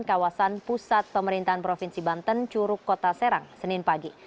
kawasan pusat pemerintahan provinsi banten curug kota serang senin pagi